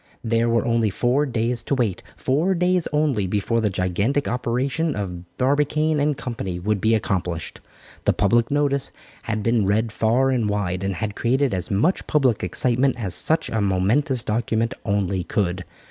There were only four days to wait, four days only before the gigantic operation of Barbicane & Co. would be accomplished. The public notice had been read far and wide and had created as much public excitement as such a momentous document only could.